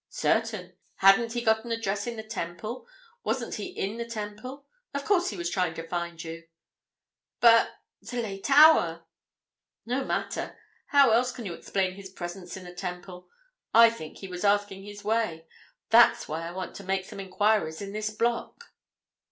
"Certain. Hadn't he got an address in the Temple? Wasn't he in the Temple? Of course, he was trying to find you." "But—the late hour?" "No matter. How else can you explain his presence in the Temple? I think he was asking his way. That's why I want to make some enquiries in this block."